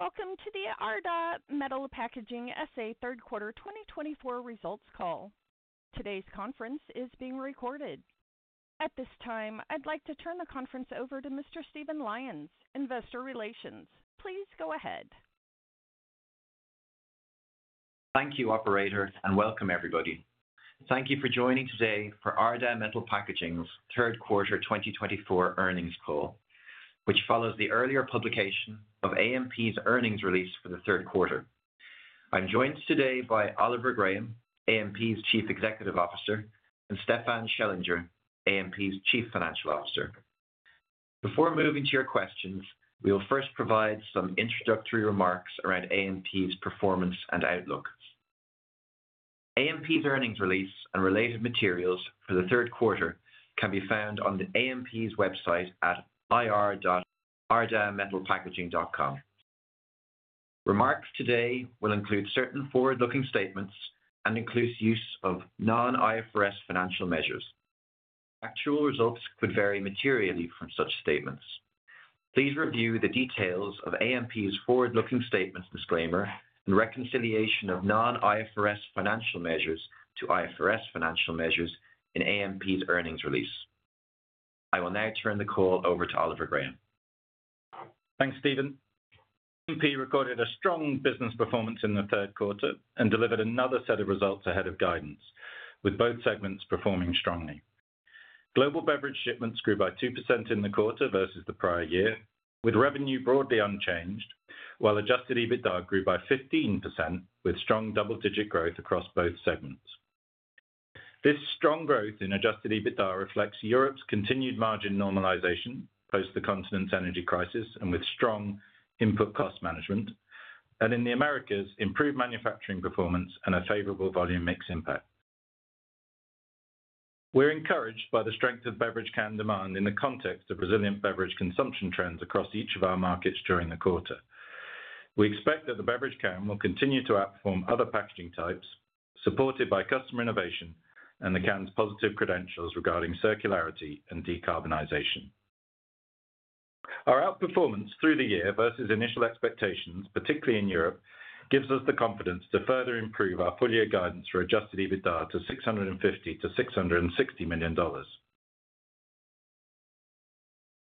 Welcome to the Ardagh Metal Packaging S.A. third quarter 2024 results call. Today's conference is being recorded. At this time, I'd like to turn the conference over to Mr. Stephen Lyons, Investor Relations. Please go ahead. Thank you, operator, and welcome, everybody. Thank you for joining today for Ardagh Metal Packaging's third quarter twenty twenty-four earnings call, which follows the earlier publication of AMP's earnings release for the third quarter. I'm joined today by Oliver Graham, AMP's Chief Executive Officer, and Stefan Schellinger, AMP's Chief Financial Officer. Before moving to your questions, we will first provide some introductory remarks around AMP's performance and outlook. AMP's earnings release and related materials for the third quarter can be found on the AMP's website at ir.ardaghmetalpackaging.com. Remarks today will include certain forward-looking statements and includes use of non-IFRS financial measures. Actual results could vary materially from such statements. Please review the details of AMP's forward-looking statements disclaimer and reconciliation of non-IFRS financial measures to IFRS financial measures in AMP's earnings release. I will now turn the call over to Oliver Graham. Thanks, Stephen. AMP recorded a strong business performance in the third quarter and delivered another set of results ahead of guidance, with both segments performing strongly. Global beverage shipments grew by 2% in the quarter versus the prior year, with revenue broadly unchanged, while adjusted EBITDA grew by 15%, with strong double-digit growth across both segments. This strong growth in adjusted EBITDA reflects Europe's continued margin normalization post the continent's energy crisis and with strong input cost management, and in the Americas, improved manufacturing performance and a favorable volume mix impact. We're encouraged by the strength of beverage can demand in the context of resilient beverage consumption trends across each of our markets during the quarter. We expect that the beverage can will continue to outperform other packaging types, supported by customer innovation and the can's positive credentials regarding circularity and decarbonization. Our outperformance through the year versus initial expectations, particularly in Europe, gives us the confidence to further improve our full-year guidance for Adjusted EBITDA to $650-$660 million.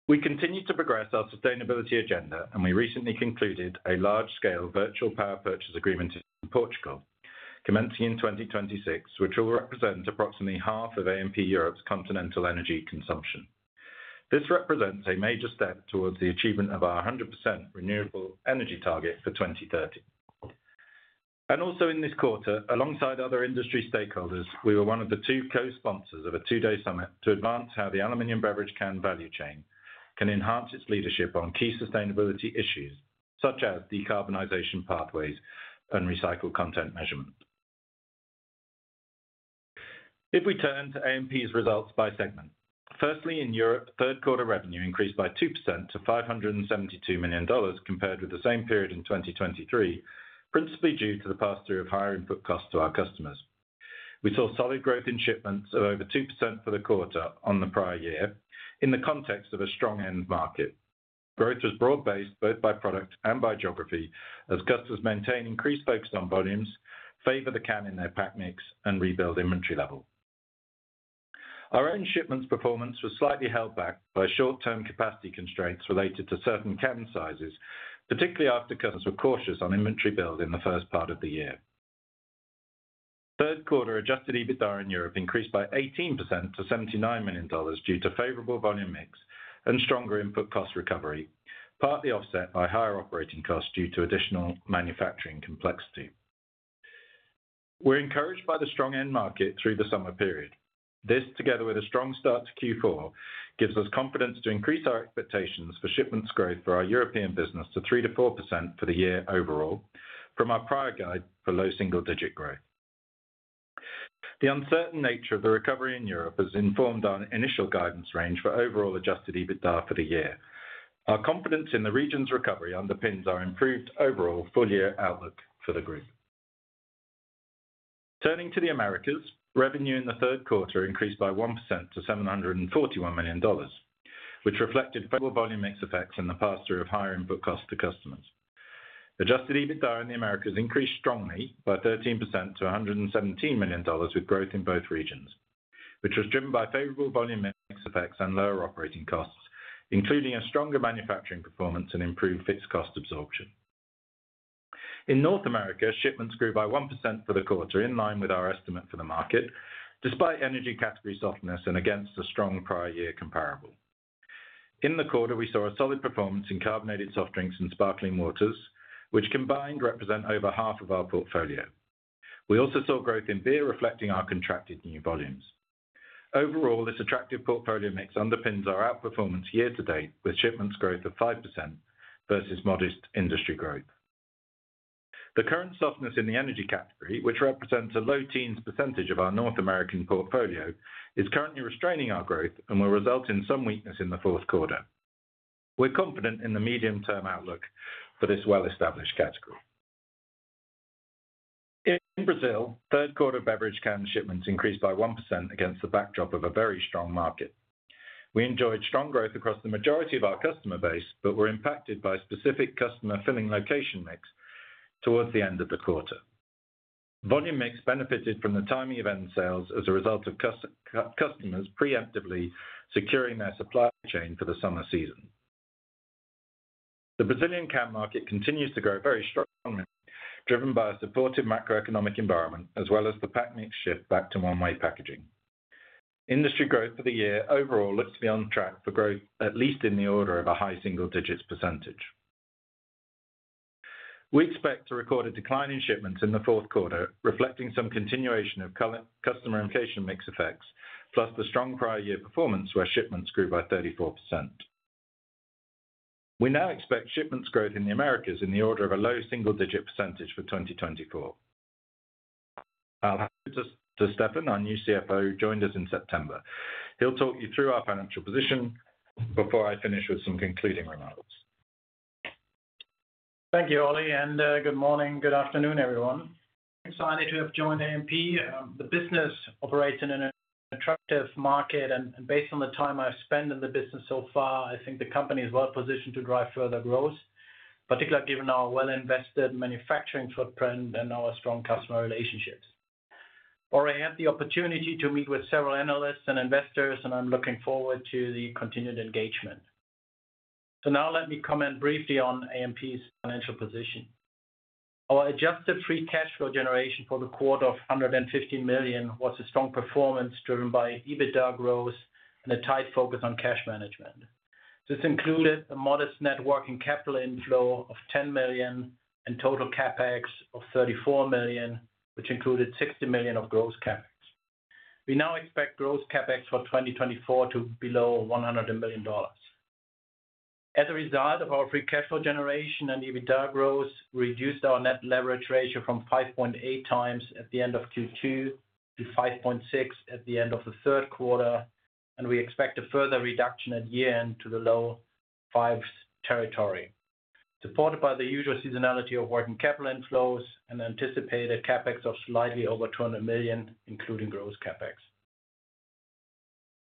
We continue to progress our sustainability agenda, and we recently concluded a large-scale virtual power purchase agreement in Portugal, commencing in 2026, which will represent approximately half of AMP Europe's continental energy consumption. This represents a major step towards the achievement of our 100% renewable energy target for 2030. And also in this quarter, alongside other industry stakeholders, we were one of the two co-sponsors of a two-day summit to advance how the aluminum beverage can value chain can enhance its leadership on key sustainability issues, such as decarbonization pathways and recycled content measurement. If we turn to AMP's results by segment. Firstly, in Europe, third quarter revenue increased by 2% to $572 million, compared with the same period in 2023, principally due to the pass-through of higher input costs to our customers. We saw solid growth in shipments of over 2% for the quarter on the prior year in the context of a strong end market. Growth was broad-based, both by product and by geography, as customers maintain increased focus on volumes, favor the can in their pack mix and rebuild inventory level. Our own shipments performance was slightly held back by short-term capacity constraints related to certain can sizes, particularly after customers were cautious on inventory build in the first part of the year. Third quarter Adjusted EBITDA in Europe increased by 18% to $79 million, due to favorable volume mix and stronger input cost recovery, partly offset by higher operating costs due to additional manufacturing complexity. We're encouraged by the strong end market through the summer period. This, together with a strong start to Q4, gives us confidence to increase our expectations for shipments growth for our European business to 3%-4% for the year overall, from our prior guide for low single-digit growth. The uncertain nature of the recovery in Europe has informed our initial guidance range for overall Adjusted EBITDA for the year. Our confidence in the region's recovery underpins our improved overall full-year outlook for the group. Turning to the Americas, revenue in the third quarter increased by 1% to $741 million, which reflected favorable volume mix effects and the pass-through of higher input costs to customers. Adjusted EBITDA in the Americas increased strongly by 13% to $117 million, with growth in both regions, which was driven by favorable volume mix effects and lower operating costs, including a stronger manufacturing performance and improved fixed cost absorption. In North America, shipments grew by 1% for the quarter, in line with our estimate for the market, despite energy category softness and against a strong prior year comparable. In the quarter, we saw a solid performance in carbonated soft drinks and sparkling waters, which combined represent over half of our portfolio. We also saw growth in beer, reflecting our contracted new volumes. Overall, this attractive portfolio mix underpins our outperformance year to date, with shipments growth of 5% versus modest industry growth. The current softness in the energy category, which represents a low teens % of our North American portfolio, is currently restraining our growth and will result in some weakness in the fourth quarter. We're confident in the medium-term outlook for this well-established category. In Brazil, third quarter beverage can shipments increased by 1% against the backdrop of a very strong market. We enjoyed strong growth across the majority of our customer base, but were impacted by specific customer filling location mix towards the end of the quarter. Volume mix benefited from the timing of end sales as a result of customers preemptively securing their supply chain for the summer season. The Brazilian can market continues to grow very strongly, driven by a supportive macroeconomic environment, as well as the pack mix shift back to one-way packaging. Industry growth for the year overall looks to be on track for growth, at least in the order of a high single digits %. We expect to record a decline in shipments in the fourth quarter, reflecting some continuation of customer and location mix effects, plus the strong prior year performance, where shipments grew by 34%. We now expect shipments growth in the Americas in the order of a low single digit % for 2024. I'll hand over to Stefan, our new CFO, who joined us in September. He'll talk you through our financial position before I finish with some concluding remarks. Thank you, Oliver, and good morning, good afternoon, everyone. Excited to have joined AMP. The business operates in an attractive market, and based on the time I've spent in the business so far, I think the company is well positioned to drive further growth, particularly given our well-invested manufacturing footprint and our strong customer relationships. Already I had the opportunity to meet with several analysts and investors, and I'm looking forward to the continued engagement. So now let me comment briefly on AMP's financial position. Our adjusted free cash flow generation for the quarter of $150 million was a strong performance, driven by EBITDA growth and a tight focus on cash management. This included a modest net working capital inflow of $10 million and total CapEx of $34 million, which included $60 million of gross CapEx. We now expect gross CapEx for 2024 to be below $100 million. As a result of our free cash flow generation and EBITDA growth, we reduced our net leverage ratio from 5.8 times at the end of Q2 to 5.6 at the end of the third quarter, and we expect a further reduction at year-end to the low fives territory, supported by the usual seasonality of working capital inflows and anticipated CapEx of slightly over $200 million, including gross CapEx.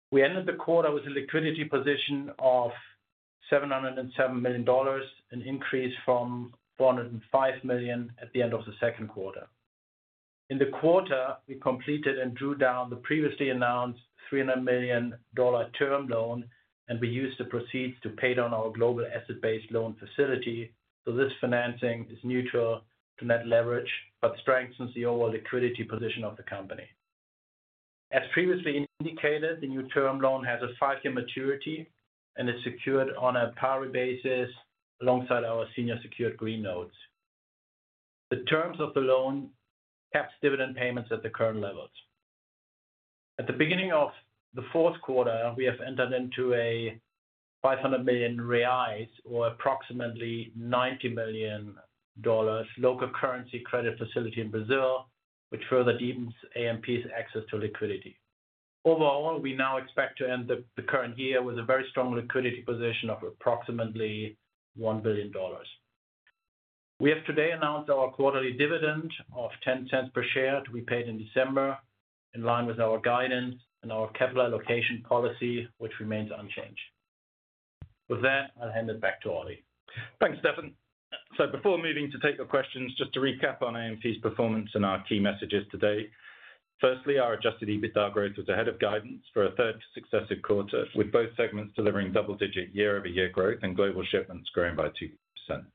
We ended the quarter with a liquidity position of $707 million, an increase from $405 million at the end of the second quarter. In the quarter, we completed and drew down the previously announced $300 million term loan, and we used the proceeds to pay down our global asset-based loan facility. So this financing is neutral to net leverage, but strengthens the overall liquidity position of the company. As previously indicated, the new term loan has a 5-year maturity and is secured on a pari basis alongside our senior secured green notes. The terms of the loan caps dividend payments at the current levels. At the beginning of the fourth quarter, we have entered into a 500 million reais, or approximately $90 million, local currency credit facility in Brazil, which further deepens AMP's access to liquidity. Overall, we now expect to end the current year with a very strong liquidity position of approximately $1 billion. We have today announced our quarterly dividend of $0.10 per share, to be paid in December, in line with our guidance and our capital allocation policy, which remains unchanged. With that, I'll hand it back to Ollie. Thanks, Stefan. So before moving to take your questions, just to recap on AMP's performance and our key messages today. Firstly, our adjusted EBITDA growth was ahead of guidance for a third successive quarter, with both segments delivering double-digit year-over-year growth and global shipments growing by 2%.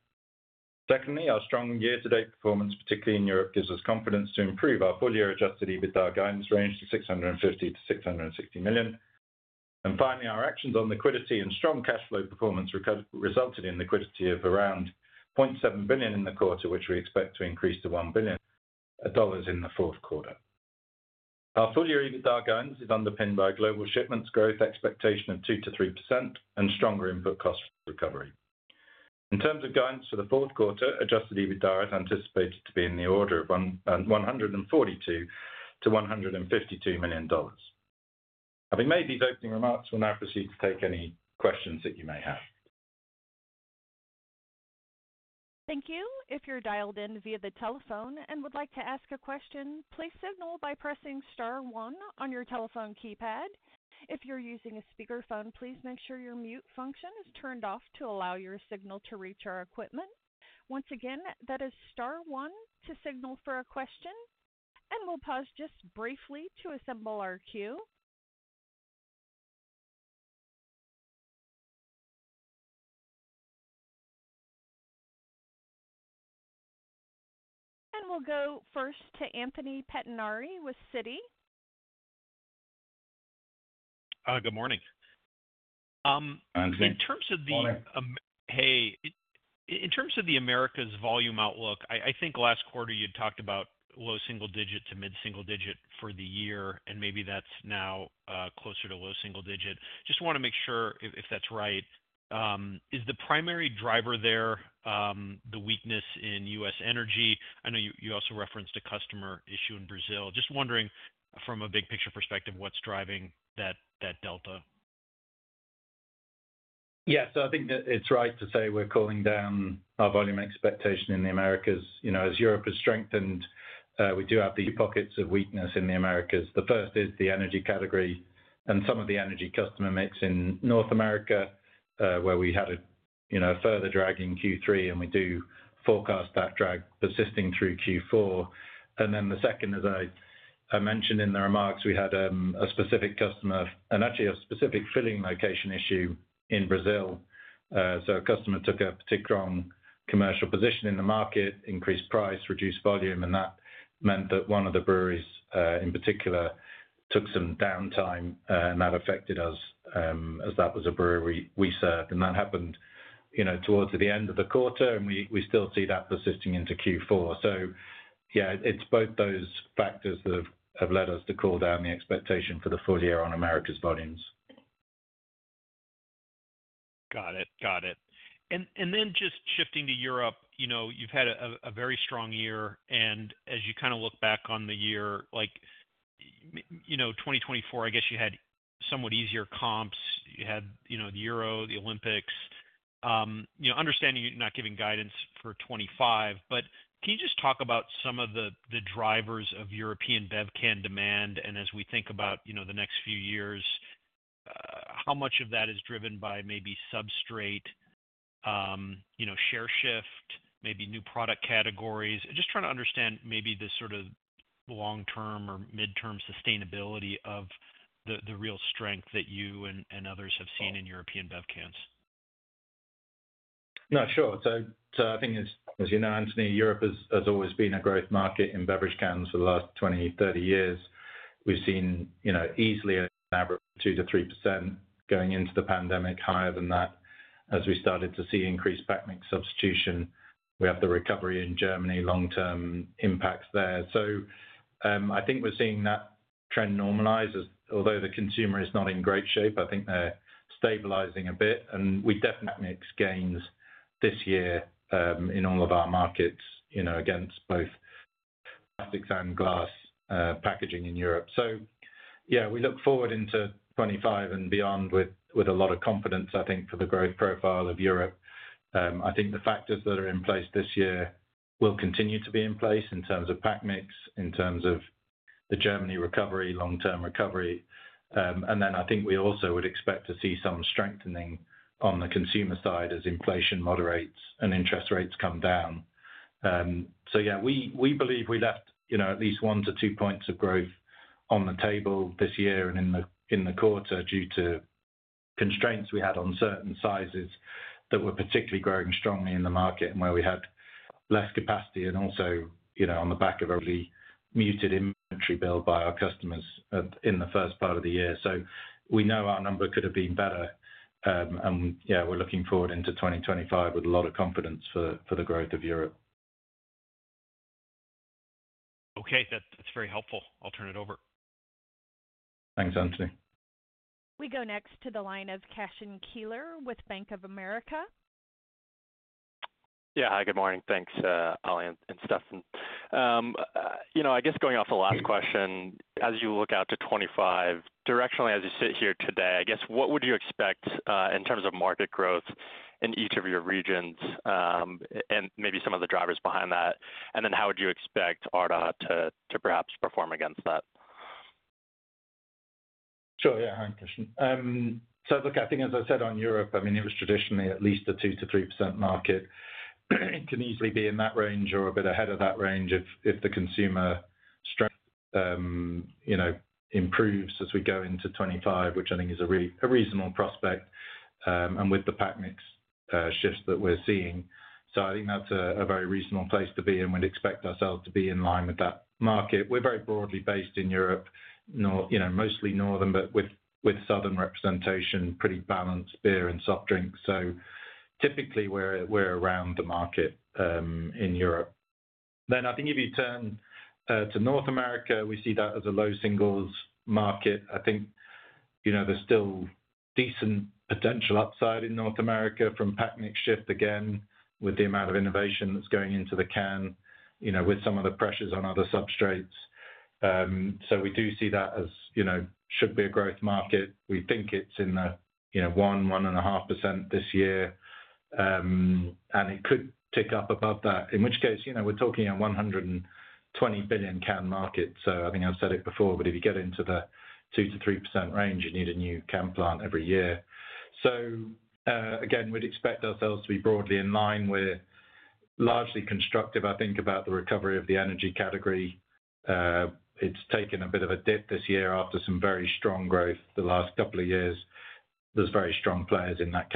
Secondly, our strong year-to-date performance, particularly in Europe, gives us confidence to improve our full-year adjusted EBITDA guidance range to $650-$660 million. And finally, our actions on liquidity and strong cash flow performance resulted in liquidity of around $0.7 billion in the quarter, which we expect to increase to $1 billion dollars in the fourth quarter. Our full-year EBITDA guidance is underpinned by global shipments growth expectation of 2%-3% and stronger input cost recovery. In terms of guidance for the fourth quarter, Adjusted EBITDA is anticipated to be in the order of $142 million-$152 million. Having made these opening remarks, we'll now proceed to take any questions that you may have. Thank you. If you're dialed in via the telephone and would like to ask a question, please signal by pressing star one on your telephone keypad. If you're using a speakerphone, please make sure your mute function is turned off to allow your signal to reach our equipment. Once again, that is star one to signal for a question, and we'll pause just briefly to assemble our queue. We'll go first to Anthony Pettinari with Citi. Good morning. Anthony, morning. In terms of the Americas volume outlook, I think last quarter you talked about low single digit to mid-single digit for the year, and maybe that's now closer to low single digit. Just want to make sure if that's right. Is the primary driver there the weakness in U.S. energy? I know you also referenced a customer issue in Brazil. Just wondering, from a big picture perspective, what's driving that delta?... Yes, so I think that it's right to say we're calling down our volume expectation in the Americas. You know, as Europe has strengthened, we do have the pockets of weakness in the Americas. The first is the energy category and some of the energy customer mix in North America, where we had, you know, further drag in Q3, and we do forecast that drag persisting through Q4. And then the second, as I mentioned in the remarks, we had a specific customer and actually a specific filling location issue in Brazil. So a customer took a particularly wrong commercial position in the market, increased price, reduced volume, and that meant that one of the breweries in particular took some downtime, and that affected us, as that was a brewery we served. And that happened, you know, towards the end of the quarter, and we still see that persisting into Q4, so yeah, it's both those factors that have led us to call down the expectation for the full year on Americas volumes. Got it. Got it. Then just shifting to Europe, you know, you've had a very strong year, and as you kind of look back on the year, like, you know, twenty twenty-four, I guess you had somewhat easier comps. You had, you know, the Euro, the Olympics. You know, understanding you're not giving guidance for twenty-five, but can you just talk about some of the drivers of European bev can demand? And as we think about, you know, the next few years, how much of that is driven by maybe substrate, you know, share shift, maybe new product categories? Just trying to understand maybe the sort of long-term or midterm sustainability of the real strength that you and others have seen in European bev cans. No, sure. So, I think as you know, Anthony, Europe has always been a growth market in beverage cans for the last 20, 30 years. We've seen, you know, easily an average 2%-3% going into the pandemic, higher than that as we started to see increased pack mix substitution. We have the recovery in Germany, long-term impacts there. So, I think we're seeing that trend normalize as although the consumer is not in great shape, I think they're stabilizing a bit, and we definitely make gains this year, in all of our markets, you know, against both plastics and glass packaging in Europe. So yeah, we look forward into 2025 and beyond with a lot of confidence, I think, for the growth profile of Europe. I think the factors that are in place this year will continue to be in place in terms of pack mix, in terms of the Germany recovery, long-term recovery. And then I think we also would expect to see some strengthening on the consumer side as inflation moderates and interest rates come down. So yeah, we believe we left, you know, at least one to two points of growth on the table this year and in the quarter, due to constraints we had on certain sizes that were particularly growing strongly in the market and where we had less capacity. And also, you know, on the back of a really muted inventory build by our customers in the first part of the year. So we know our number could have been better. And yeah, we're looking forward into 2025 with a lot of confidence for the growth of Europe. Okay, that's very helpful. I'll turn it over. Thanks, Anthony. We go next to the line of Chase Keeler with Bank of America. Yeah. Hi, good morning. Thanks, Ollie and Stefan. You know, I guess going off the last question, as you look out to 2025, directionally, as you sit here today, I guess what would you expect in terms of market growth in each of your regions, and maybe some of the drivers behind that? And then how would you expect Ardagh to perhaps perform against that? Sure, yeah. Hi, Keeler. So look, I think as I said on Europe, I mean, it was traditionally at least a 2-3% market. It can easily be in that range or a bit ahead of that range if the consumer strength, you know, improves as we go into 2025, which I think is a reasonable prospect, and with the pack mix shifts that we're seeing. So I think that's a very reasonable place to be, and we'd expect ourselves to be in line with that market. We're very broadly based in Europe, you know, mostly northern, but with southern representation, pretty balanced beer and soft drinks. So typically, we're around the market in Europe. Then I think if you turn to North America, we see that as a low singles market. I think, you know, there's still decent potential upside in North America from pack mix shift, again, with the amount of innovation that's going into the can, you know, with some of the pressures on other substrates. So we do see that as, you know, should be a growth market. We think it's in the, you know, 1-1.5% this year, and it could tick up above that, in which case, you know, we're talking a 120 billion can market. So I think I've said it before, but if you get into the 2%-3% range, you need a new can plant every year. So, again, we'd expect ourselves to be broadly in line with largely constructive, I think, about the recovery of the energy category. It's taken a bit of a dip this year after some very strong growth the last couple of years. There's very strong players in that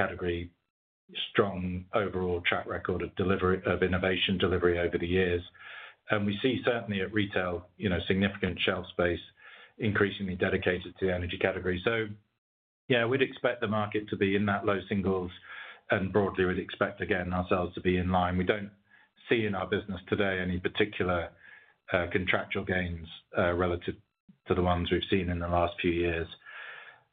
category, strong overall track record of innovation delivery over the years. And we see certainly at retail, you know, significant shelf space increasingly dedicated to the energy category. So yeah, we'd expect the market to be in that low singles, and broadly, we'd expect, again, ourselves to be in line. We don't see in our business today any particular contractual gains relative to the ones we've seen in the last few years.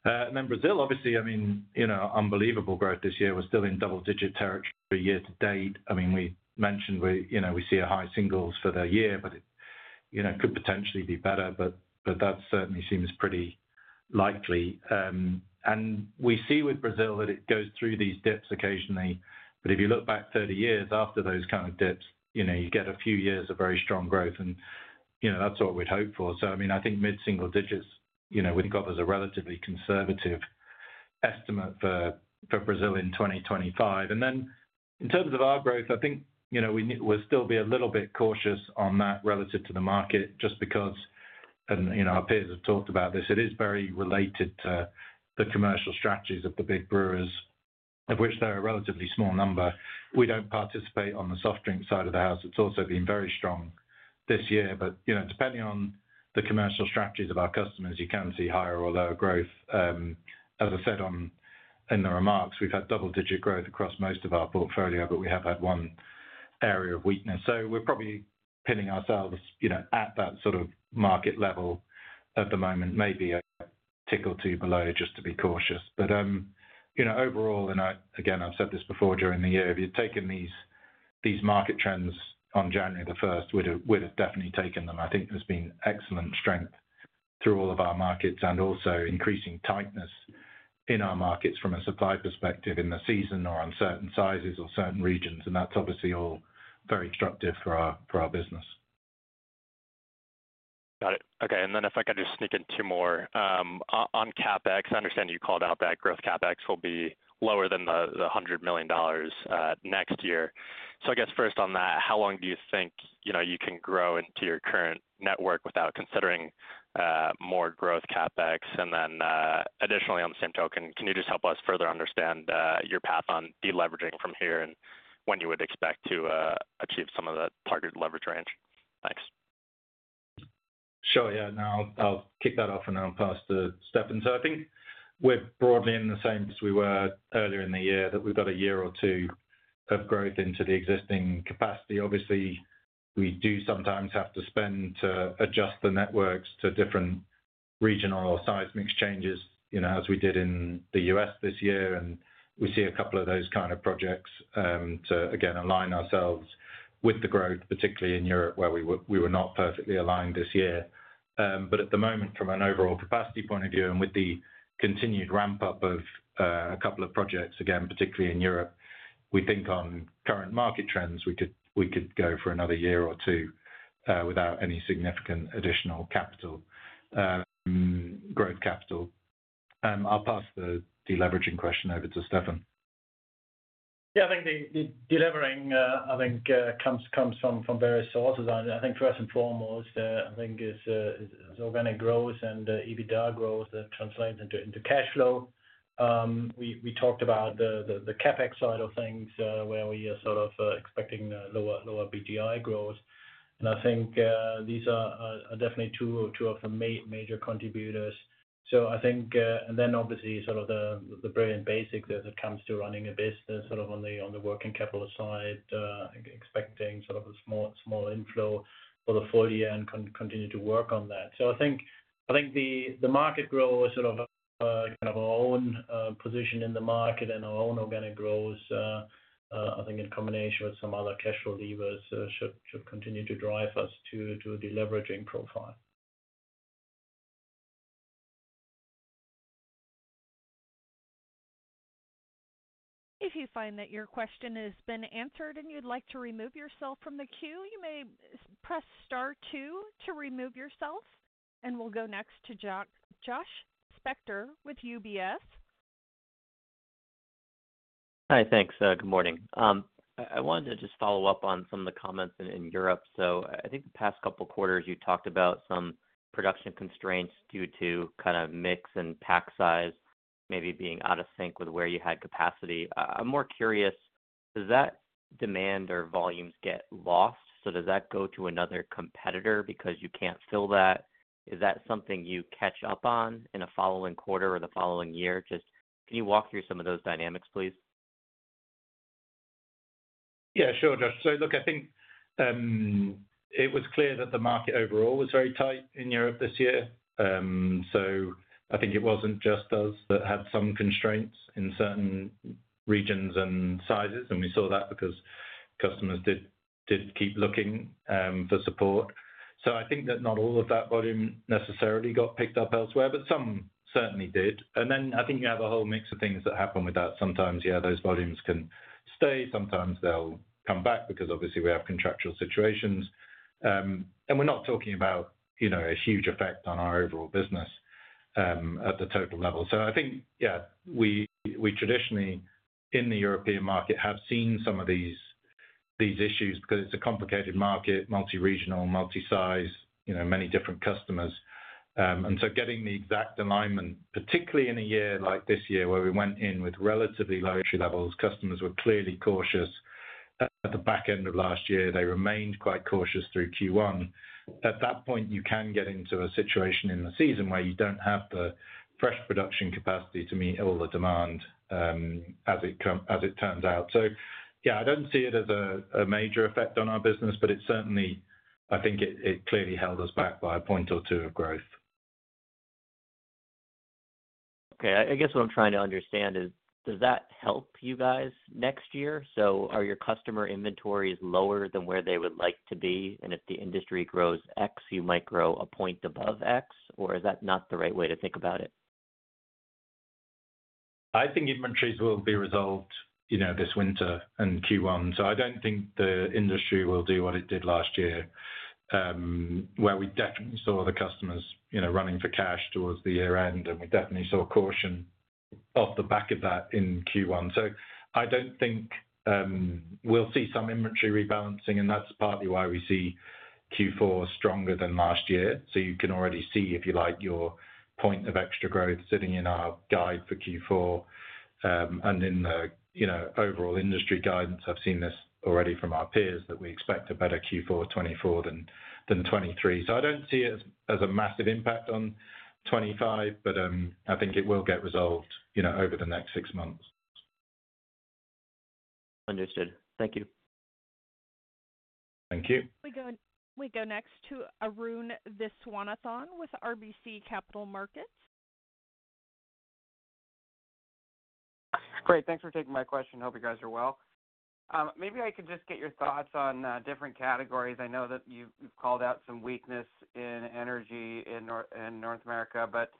And then Brazil, obviously, I mean, you know, unbelievable growth this year. We're still in double digit territory year to date. I mean, we mentioned we, you know, we see a high singles for the year, but it-... You know, could potentially be better, but, but that certainly seems pretty likely. And we see with Brazil that it goes through these dips occasionally, but if you look back thirty years after those kind of dips, you know, you get a few years of very strong growth and, you know, that's what we'd hope for. So I mean, I think mid-single digits, you know, we think of as a relatively conservative estimate for, for Brazil in twenty twenty-five. And then in terms of our growth, I think, you know, we'll still be a little bit cautious on that relative to the market, just because, and, you know, our peers have talked about this, it is very related to the commercial strategies of the big brewers, of which there are a relatively small number. We don't participate on the soft drink side of the house. It's also been very strong this year, but, you know, depending on the commercial strategies of our customers, you can see higher or lower growth. As I said in the remarks, we've had double-digit growth across most of our portfolio, but we have had one area of weakness. So we're probably pinning ourselves, you know, at that sort of market level at the moment, maybe a tick or two below, just to be cautious. But, you know, overall, and I again, I've said this before during the year, if you'd taken these market trends on January the first, we'd have definitely taken them. I think there's been excellent strength through all of our markets and also increasing tightness in our markets from a supply perspective in the season or on certain sizes or certain regions, and that's obviously all very instructive for our business. Got it. Okay, and then if I could just sneak in two more. On CapEx, I understand you called out that growth CapEx will be lower than the $100 million next year. So I guess first on that, how long do you think, you know, you can grow into your current network without considering more growth CapEx? And then, additionally, on the same token, can you just help us further understand your path on deleveraging from here and when you would expect to achieve some of the targeted leverage range? Thanks. Sure, yeah. Now, I'll kick that off, and I'll pass to Stefan. So I think we're broadly in the same as we were earlier in the year, that we've got a year or two of growth into the existing capacity. Obviously, we do sometimes have to spend to adjust the networks to different regional or systemic changes, you know, as we did in the U.S. this year, and we see a couple of those kind of projects to again align ourselves with the growth, particularly in Europe, where we were not perfectly aligned this year. But at the moment, from an overall capacity point of view, and with the continued ramp-up of a couple of projects, again, particularly in Europe, we think on current market trends, we could go for another year or two without any significant additional capital growth capital. I'll pass the deleveraging question over to Stefan. Yeah, I think the deleveraging comes from various sources. And I think first and foremost is organic growth and EBITDA growth that translates into cash flow. We talked about the CapEx side of things, where we are sort of expecting lower CapEx growth. And I think these are definitely two of the major contributors. So I think, and then obviously, sort of the basics as it comes to running a business, sort of on the working capital side, expecting sort of a small inflow for the full year and continue to work on that. So I think the market growth, sort of, kind of our own position in the market and our own organic growth, I think in combination with some other cash flow levers, should continue to drive us to a deleveraging profile. If you find that your question has been answered and you'd like to remove yourself from the queue, you may press star two to remove yourself, and we'll go next to Josh Spector with UBS. Hi, thanks. Good morning. I wanted to just follow up on some of the comments in Europe. So I think the past couple quarters, you talked about some production constraints due to kind of mix and pack size, maybe being out of sync with where you had capacity. I'm more curious, does that demand or volumes get lost? So does that go to another competitor because you can't fill that? Is that something you catch up on in a following quarter or the following year? Just can you walk through some of those dynamics, please? Yeah, sure, Josh. So look, I think it was clear that the market overall was very tight in Europe this year. So I think it wasn't just us that had some constraints in certain regions and sizes, and we saw that because customers did keep looking for support. So I think that not all of that volume necessarily got picked up elsewhere, but some certainly did. And then I think you have a whole mix of things that happen with that. Sometimes, yeah, those volumes can stay, sometimes they'll come back, because obviously we have contractual situations. And we're not talking about, you know, a huge effect on our overall business at the total level. So I think, yeah, we traditionally in the European market have seen some of these issues because it's a complicated market, multi-regional, multi-size, you know, many different customers. And so getting the exact alignment, particularly in a year like this year, where we went in with relatively low entry levels, customers were clearly cautious. At the back end of last year, they remained quite cautious through Q1. At that point, you can get into a situation in the season where you don't have the fresh production capacity to meet all the demand, as it turns out. So yeah, I don't see it as a major effect on our business, but it's certainly, I think it clearly held us back by a point or two of growth.... Okay, I guess what I'm trying to understand is, does that help you guys next year? So are your customer inventories lower than where they would like to be, and if the industry grows X, you might grow a point above X? Or is that not the right way to think about it? I think inventories will be resolved, you know, this winter in Q1. So I don't think the industry will do what it did last year, where we definitely saw the customers, you know, running for cash towards the year-end, and we definitely saw caution off the back of that in Q1. So I don't think we'll see some inventory rebalancing, and that's partly why we see Q4 stronger than last year. So you can already see, if you like, your point of extra growth sitting in our guide for Q4. And in the, you know, overall industry guidance, I've seen this already from our peers, that we expect a better Q4 2024 than 2023. So I don't see it as a massive impact on 2025, but I think it will get resolved, you know, over the next six months. Understood. Thank you. Thank you. We go next to Arun Viswanathan with RBC Capital Markets. Great, thanks for taking my question. Hope you guys are well. Maybe I could just get your thoughts on different categories. I know that you've called out some weakness in energy in North America, but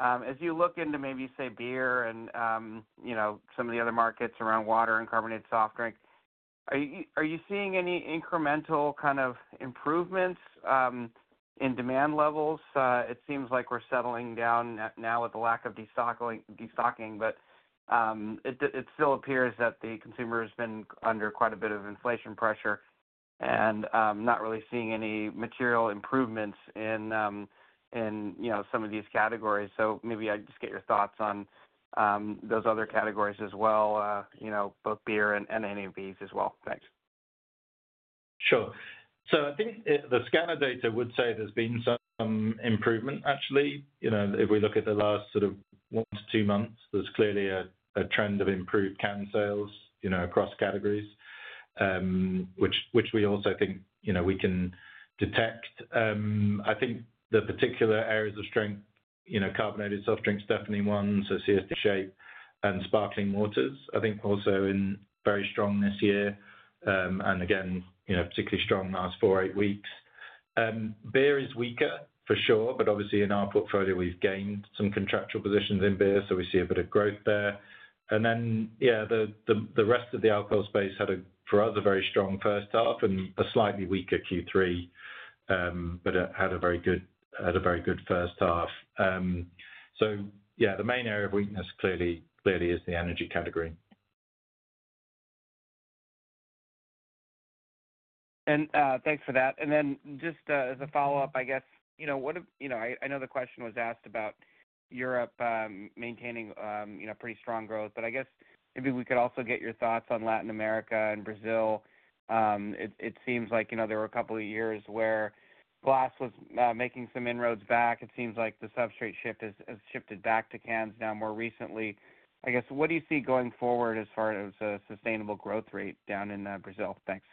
as you look into maybe, say, beer and you know, some of the other markets around water and carbonated soft drink, are you seeing any incremental kind of improvements in demand levels? It seems like we're settling down now with the lack of destocking, but it still appears that the consumer has been under quite a bit of inflation pressure and not really seeing any material improvements in you know, some of these categories. So maybe I'd just get your thoughts on those other categories as well, you know, both beer and any of these as well. Thanks. Sure, so I think the scanner data would say there's been some improvement, actually. You know, if we look at the last sort of one to two months, there's clearly a trend of improved can sales, you know, across categories, which we also think, you know, we can detect. I think the particular areas of strength, you know, carbonated soft drinks, definitely one, so CSD and sparkling waters, I think, also in very strong this year, and again, you know, particularly strong in the last four, eight weeks. Beer is weaker, for sure, but obviously in our portfolio, we've gained some contractual positions in beer, so we see a bit of growth there. And then, yeah, the rest of the alcohol space had, for us, a very strong first half and a slightly weaker Q3, but it had a very good first half. So yeah, the main area of weakness clearly is the energy category. And, thanks for that. And then just, as a follow-up, I guess, you know, I know the question was asked about Europe, maintaining, you know, pretty strong growth, but I guess maybe we could also get your thoughts on Latin America and Brazil. It seems like, you know, there were a couple of years where glass was making some inroads back. It seems like the substrate shift has shifted back to cans now more recently. I guess, what do you see going forward as far as a sustainable growth rate down in Brazil? Thanks.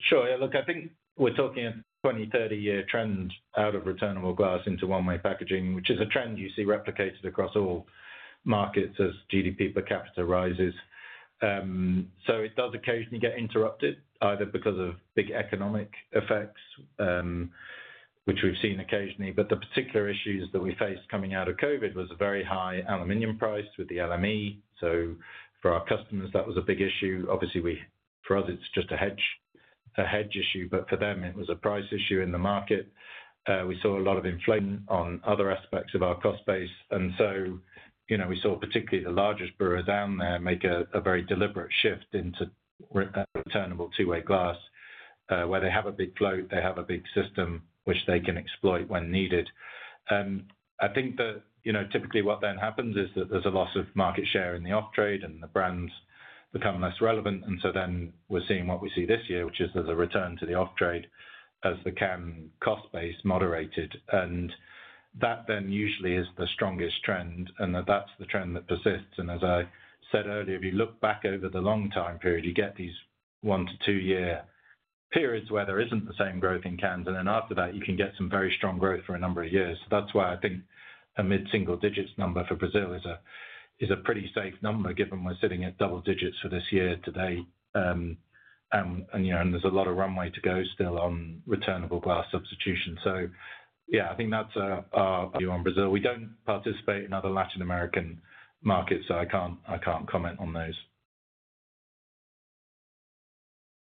Sure. Yeah, look, I think we're talking a twenty, thirty-year trend out of returnable glass into one-way packaging, which is a trend you see replicated across all markets as GDP per capita rises. So it does occasionally get interrupted, either because of big economic effects, which we've seen occasionally, but the particular issues that we faced coming out of COVID was a very high aluminum price with the LME. So for our customers, that was a big issue. Obviously, we, for us, it's just a hedge, a hedge issue, but for them, it was a price issue in the market. We saw a lot of inflation on other aspects of our cost base, and so, you know, we saw particularly the largest brewers down there make a very deliberate shift into returnable two-way glass. Where they have a big float, they have a big system which they can exploit when needed. I think that, you know, typically what then happens is that there's a loss of market share in the off-trade, and the brands become less relevant, and so then we're seeing what we see this year, which is there's a return to the off-trade as the can cost base moderated, and that then usually is the strongest trend, and that that's the trend that persists, and as I said earlier, if you look back over the long time period, you get these one to two year periods where there isn't the same growth in cans, and then after that, you can get some very strong growth for a number of years. So that's why I think a mid-single digits number for Brazil is a pretty safe number, given we're sitting at double digits for this year to date. And you know, there's a lot of runway to go still on returnable glass substitution. So yeah, I think that's our view on Brazil. We don't participate in other Latin American markets, so I can't comment on those.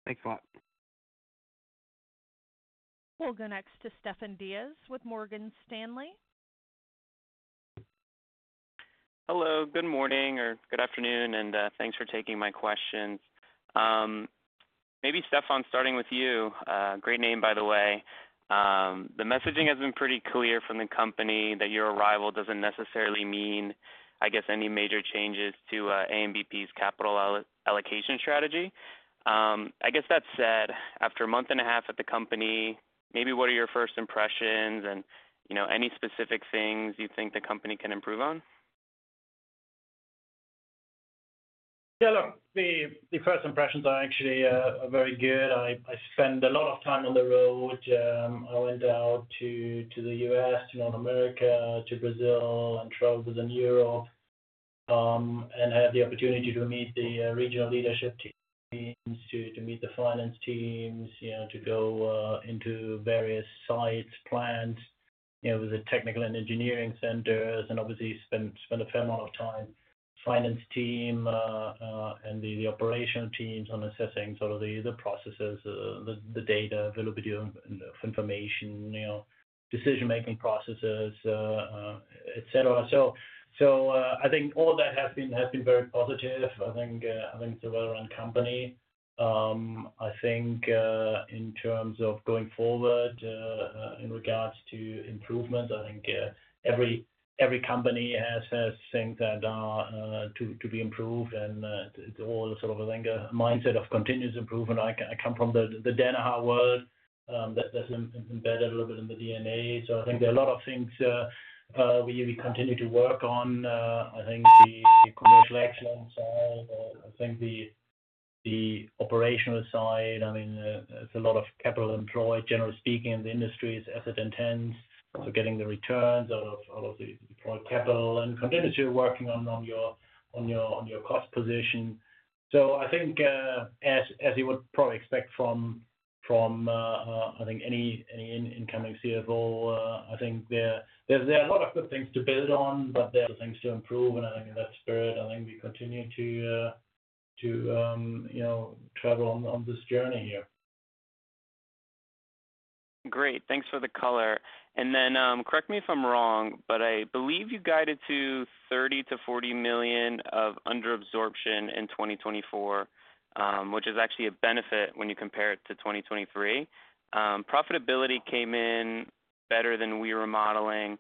Thanks a lot. We'll go next to Stefan Diaz with Morgan Stanley. Hello, good morning or good afternoon, and thanks for taking my questions. Maybe Stefan, starting with you. Great name, by the way. The messaging has been pretty clear from the company that your arrival doesn't necessarily mean, I guess, any major changes to AMP's capital allocation strategy. I guess that said, after a month and a half at the company, maybe what are your first impressions and, you know, any specific things you think the company can improve on? ... Yeah, look, the first impressions are actually very good. I spent a lot of time on the road. I went out to the U.S., to North America, to Brazil, and traveled in Europe, and had the opportunity to meet the regional leadership teams, to meet the finance teams, you know, to go into various sites, plants, you know, with the technical and engineering centers, and obviously spent a fair amount of time finance team, and the operational teams on assessing sort of the processes, the data availability of information, you know, decision-making processes, et cetera. So, I think all that has been very positive. I think it's a well-run company. I think, in terms of going forward, in regards to improvements, I think, every company has things that are to be improved, and all sort of a mindset of continuous improvement. I come from the Danaher world, that's embedded a little bit in the DNA. So I think there are a lot of things we continue to work on, I think the commercial excellence side. I think the operational side, I mean, there's a lot of capital employed, generally speaking, in the industry is asset intense. So getting the returns out of the capital and continuously working on your cost position. I think as you would probably expect from any incoming CFO, I think there are a lot of good things to build on, but there are things to improve. I think in that spirit, I think we continue to you know travel on this journey here. Great, thanks for the color. And then, correct me if I'm wrong, but I believe you guided to $30-$40 million of under absorption in 2024, which is actually a benefit when you compare it to 2023. Profitability came in better than we were modeling.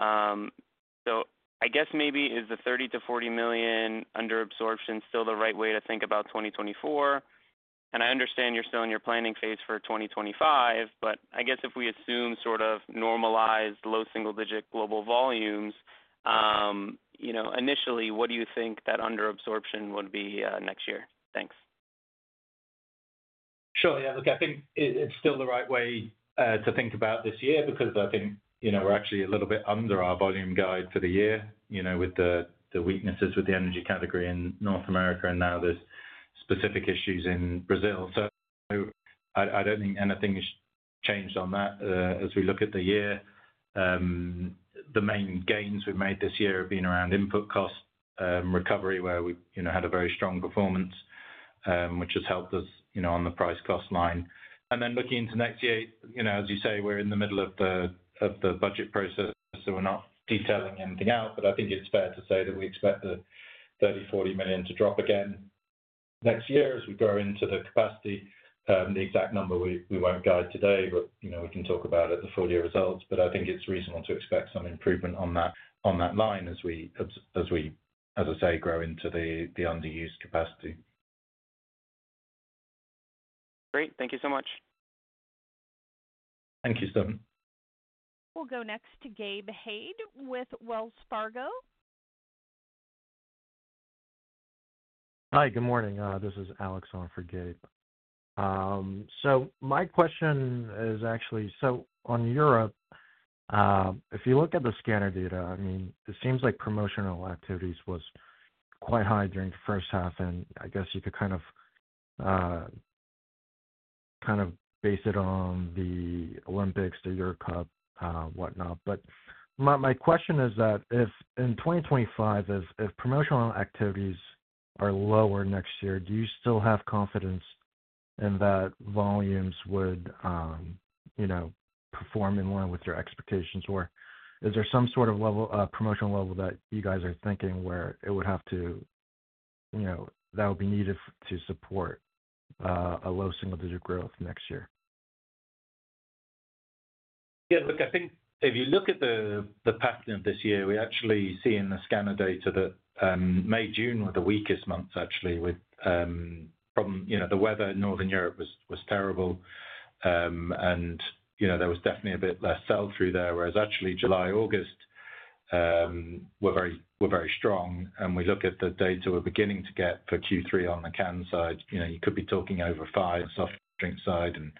So I guess maybe is the $30-$40 million under absorption still the right way to think about 2024? And I understand you're still in your planning phase for 2025, but I guess if we assume sort of normalized low single digit global volumes, you know, initially, what do you think that under absorption would be, next year? Thanks. Sure. Yeah, look, I think it's still the right way to think about this year because I think, you know, we're actually a little bit under our volume guide for the year, you know, with the weaknesses with the energy category in North America, and now there's specific issues in Brazil. So I don't think anything has changed on that. As we look at the year, the main gains we've made this year have been around input cost recovery, where we've, you know, had a very strong performance, which has helped us, you know, on the price cost line. And then looking into next year, you know, as you say, we're in the middle of the budget process, so we're not detailing anything out. But I think it's fair to say that we expect the $30-$40 million to drop again next year as we grow into the capacity. The exact number, we won't guide today but, you know, we can talk about at the full year results. But I think it's reasonable to expect some improvement on that, on that line as we, as I say, grow into the underused capacity. Great. Thank you so much. Thank you, Stephen. We'll go next to Gabe Hajde with Wells Fargo. Hi, good morning, this is Alex on for Gabe. So my question is actually, so on Europe, if you look at the scanner data, I mean, it seems like promotional activities was quite high during the first half, and I guess you could kind of base it on the Olympics, the Euro Cup, whatnot. But my question is that, if in 2025, if promotional activities are lower next year, do you still have confidence in that volumes would, you know, perform in line with your expectations? Or is there some sort of level, promotional level that you guys are thinking where it would have to, you know, that would be needed to support, a low single digit growth next year? Yeah, look, I think if you look at the pattern of this year, we actually see in the scanner data that May, June were the weakest months actually, with the weather in Northern Europe was terrible. And, you know, there was definitely a bit less sell-through there. Whereas actually July, August were very strong. And we look at the data we're beginning to get for Q3 on the canned side, you know, you could be talking over five soft drink side and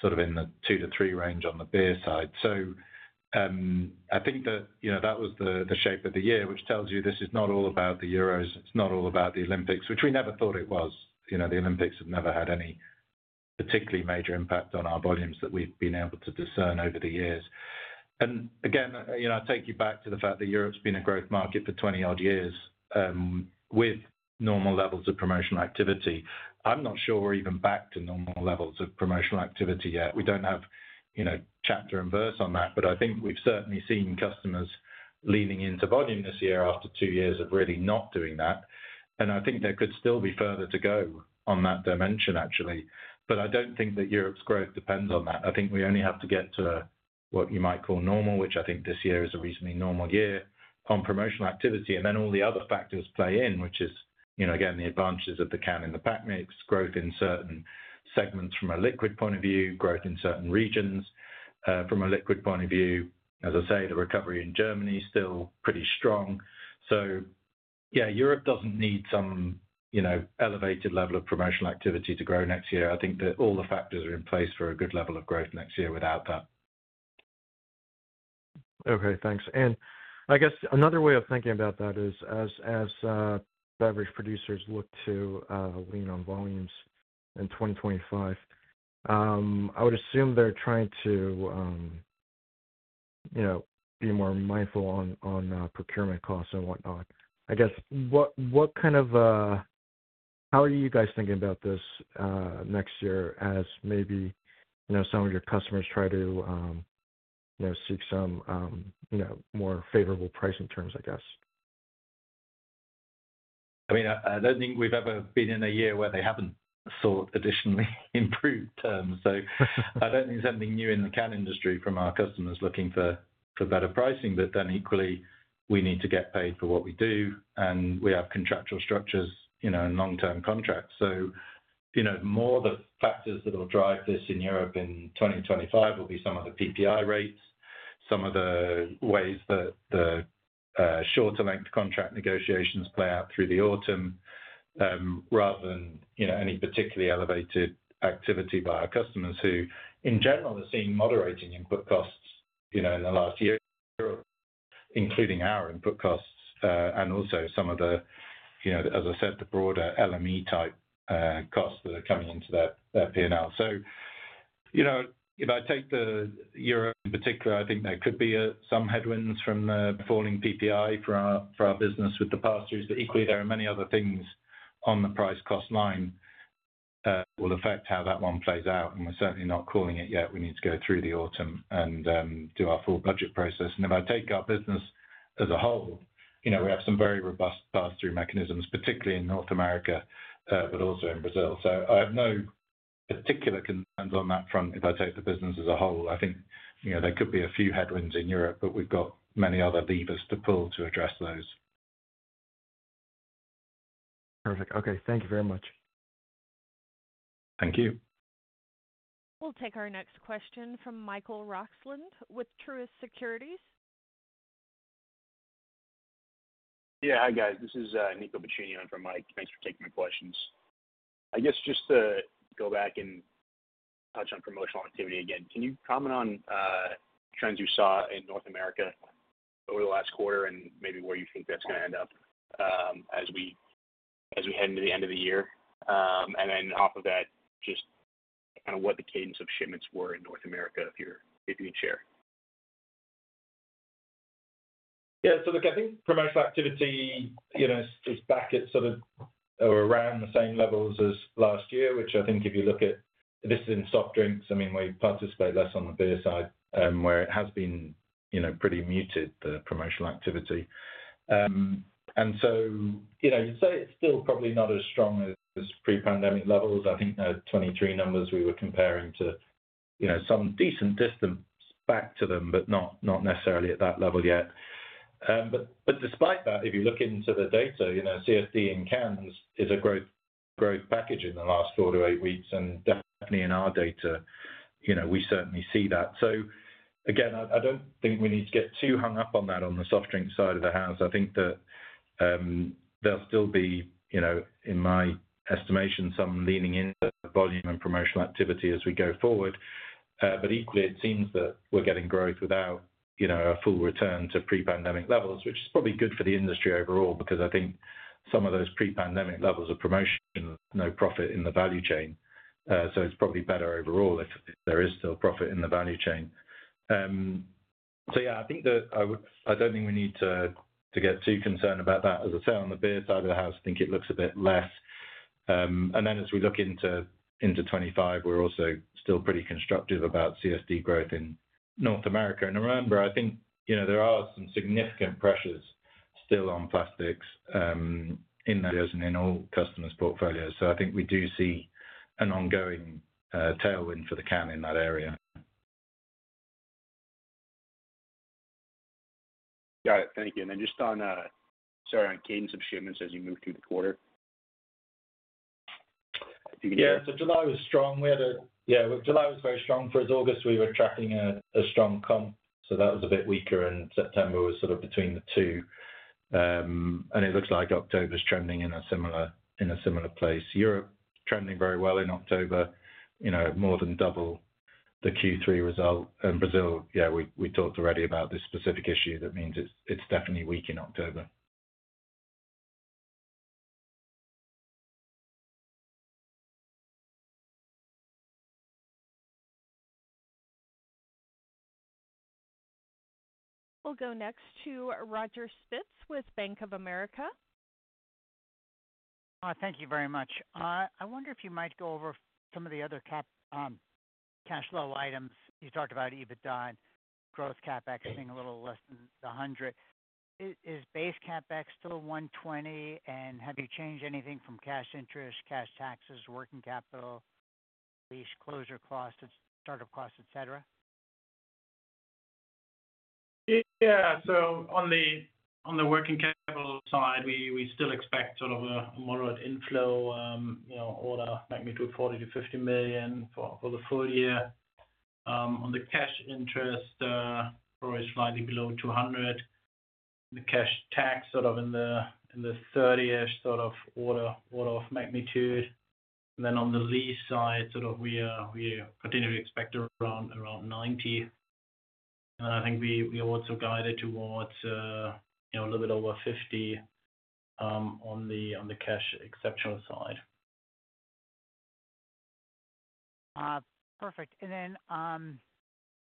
sort of in the two to three range on the beer side. So I think that, you know, that was the shape of the year, which tells you this is not all about the Euros, it's not all about the Olympics, which we never thought it was. You know, the Olympics have never had any particularly major impact on our volumes that we've been able to discern over the years. And again, you know, I take you back to the fact that Europe's been a growth market for twenty odd years with normal levels of promotional activity. I'm not sure we're even back to normal levels of promotional activity yet. We don't have, you know, chapter and verse on that, but I think we've certainly seen customers leaning into volume this year after two years of really not doing that. And I think there could still be further to go on that dimension, actually. But I don't think that Europe's growth depends on that. I think we only have to get to what you might call normal, which I think this year is a reasonably normal year on promotional activity. And then all the other factors play in, which is, you know, again, the advantages of the can in the pack mix, growth in certain segments from a liquid point of view, growth in certain regions from a liquid point of view. As I say, the recovery in Germany is still pretty strong. So, yeah, Europe doesn't need some, you know, elevated level of promotional activity to grow next year. I think that all the factors are in place for a good level of growth next year without that. Okay, thanks. I guess another way of thinking about that is beverage producers look to lean on volumes in 2025. I would assume they're trying to, you know, be more mindful on procurement costs and whatnot. I guess, how are you guys thinking about this next year as maybe, you know, some of your customers try to, you know, seek some more favorable pricing terms, I guess? I mean, I don't think we've ever been in a year where they haven't sought additionally improved terms. So I don't think there's anything new in the can industry from our customers looking for better pricing. But then equally, we need to get paid for what we do, and we have contractual structures, you know, and long-term contracts. So, you know, more the factors that will drive this in Europe in twenty twenty-five will be some of the PPI rates, some of the ways that the shorter length contract negotiations play out through the autumn, rather than, you know, any particularly elevated activity by our customers, who, in general, are seeing moderating input costs, you know, in the last year, including our input costs, and also some of the, you know, as I said, the broader LME-type costs that are coming into that, that PNL. So, you know, if I take Europe in particular, I think there could be some headwinds from the falling PPI for our business with the pass-throughs, but equally, there are many other things on the price cost line that will affect how that one plays out, and we're certainly not calling it yet. We need to go through the autumn and do our full budget process, and if I take our business as a whole, you know, we have some very robust pass-through mechanisms, particularly in North America, but also in Brazil, so I have no particular concerns on that front. If I take the business as a whole, I think, you know, there could be a few headwinds in Europe, but we've got many other levers to pull to address those. Perfect. Okay, thank you very much. Thank you. We'll take our next question from Michael Roxland with Truist Securities. Yeah. Hi, guys. This is Nico Buccini in for Mike. Thanks for taking my questions. I guess just to go back and touch on promotional activity again, can you comment on trends you saw in North America over the last quarter and maybe where you think that's gonna end up as we head into the end of the year? And then off of that, just kind of what the cadence of shipments were in North America, if you can share. Yeah. So look, I think promotional activity, you know, is back at sort of or around the same levels as last year, which I think if you look at this is in soft drinks. I mean, we participate less on the beer side, where it has been, you know, pretty muted, the promotional activity. And so, you know, so it's still probably not as strong as pre-pandemic levels. I think the 2023 numbers we were comparing to, you know, some decent distance back to them, but not necessarily at that level yet. But despite that, if you look into the data, you know, CSD in cans is a growth package in the last four to eight weeks, and definitely in our data, you know, we certainly see that. So again, I don't think we need to get too hung up on that on the soft drink side of the house. I think that there'll still be, you know, in my estimation, some leaning into volume and promotional activity as we go forward. But equally, it seems that we're getting growth without, you know, a full return to pre-pandemic levels, which is probably good for the industry overall, because I think some of those pre-pandemic levels of promotion, no profit in the value chain. So it's probably better overall if there is still profit in the value chain. So yeah, I think that I don't think we need to get too concerned about that. As I said, on the beer side of the house, I think it looks a bit less. And then as we look into 2025, we're also still pretty constructive about CSD growth in North America. And remember, I think, you know, there are some significant pressures still on plastics in those and in all customers' portfolios. So I think we do see an ongoing tailwind for the can in that area. Got it. Thank you. And then just on, sorry, on cadence of shipments as you move through the quarter? Yeah. So July was strong. Yeah, July was very strong. For August, we were tracking a strong comp, so that was a bit weaker, and September was sort of between the two. And it looks like October's trending in a similar place. Europe, trending very well in October, you know, more than double the Q3 result. And Brazil, yeah, we talked already about this specific issue. That means it's definitely weak in October. We'll go next to Roger Spitz with Bank of America. Thank you very much. I wonder if you might go over some of the other CapEx cash flow items. You talked about EBITDA and growth CapEx being a little less than 100. Is base CapEx still 120, and have you changed anything from cash interest, cash taxes, working capital, lease closure costs, startup costs, et cetera? Yeah, so on the working capital side, we still expect sort of a moderate inflow, you know, order of magnitude $40-$50 million for the full year.... on the cash interest, probably slightly below $200. The cash tax sort of in the 30-ish sort of order of magnitude. Then on the lease side, sort of we continually expect around $90. And I think we also guided towards, you know, a little bit over $50 on the cash exceptional side. Perfect. And then,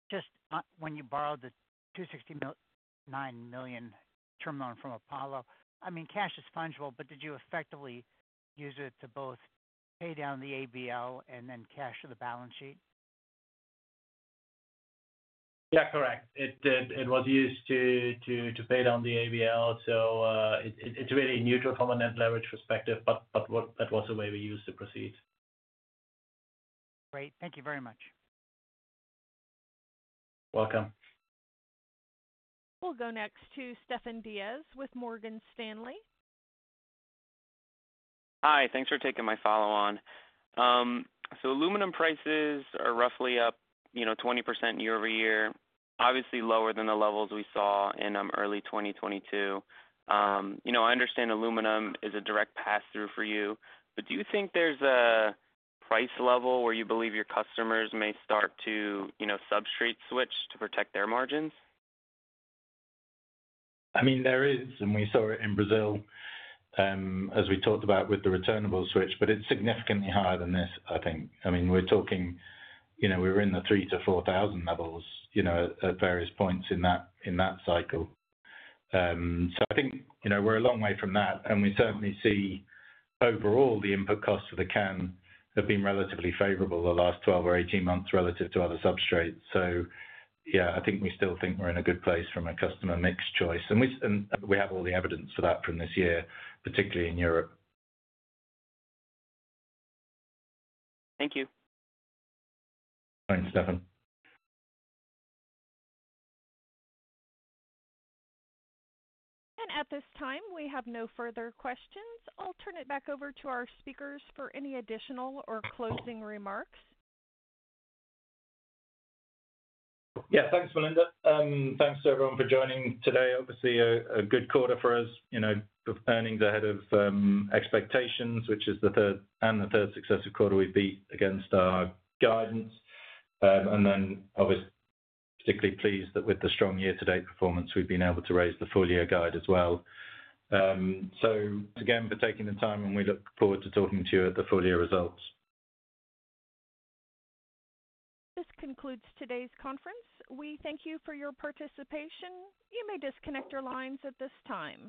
just, when you borrowed the $260 million term loan from Apollo, I mean, cash is fungible, but did you effectively use it to both pay down the ABL and then cash to the balance sheet? Yeah, correct. It did. It was used to pay down the ABL. So, it's really neutral from a net leverage perspective, but that was the way we used to proceed. Great, thank you very much. Welcome. We'll go next to Stefan Diaz with Morgan Stanley. Hi, thanks for taking my follow on. So aluminum prices are roughly up, you know, 20% year over year. Obviously, lower than the levels we saw in early 2022. You know, I understand aluminum is a direct pass-through for you, but do you think there's a price level where you believe your customers may start to, you know, substrate switch to protect their margins? I mean, there is, and we saw it in Brazil, as we talked about with the returnable switch, but it's significantly higher than this, I think. I mean, we're talking, you know, we're in the three to four thousand levels, you know, at various points in that cycle, so I think, you know, we're a long way from that, and we certainly see overall, the input costs of the can have been relatively favorable the last twelve or eighteen months relative to other substrates, so yeah, I think we still think we're in a good place from a customer mix choice, and we have all the evidence for that from this year, particularly in Europe. Thank you. Thanks, Stefan. At this time, we have no further questions. I'll turn it back over to our speakers for any additional or closing remarks. Yeah, thanks, Melinda. Thanks to everyone for joining today. Obviously, a good quarter for us, you know, earnings ahead of expectations, which is the third successive quarter we've beat against our guidance. And then obviously, particularly pleased that with the strong year-to-date performance, we've been able to raise the full-year guide as well. So again, for taking the time, and we look forward to talking to you at the full-year results. This concludes today's conference. We thank you for your participation. You may disconnect your lines at this time.